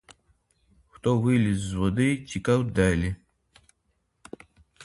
Хто виліз з води, тікав далі.